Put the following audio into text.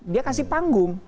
dia kasih panggung